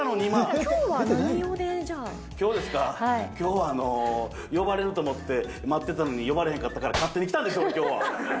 きょうですか、きょうは呼ばれると思って待ってたのに、呼ばれへんかったから、勝手に来たんですよ、きょう。